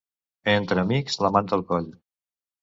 Entre amics, la manta al coll.